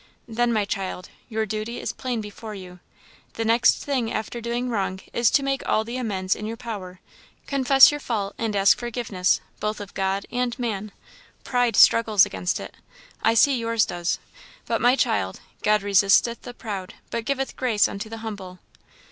"Then, my child, your duty is plain before you. The next thing after doing wrong is to make all the amends in your power; confess your fault, and ask forgiveness, both of God and man. Pride struggles against it I see yours does; but, my child, 'God resisteth the proud, but giveth grace unto the humble.'